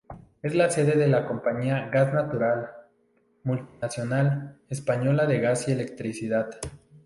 Es la sede de la compañía Gas Natural, multinacional española de gas y electricidad.